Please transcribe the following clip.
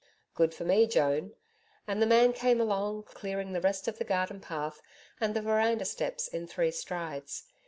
'Good for me, Joan,' and the man came along, clearing the rest of the garden path and the veranda steps in three strides.